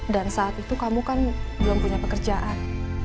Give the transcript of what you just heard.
dan saat itu kamu kan belum punya pekerjaan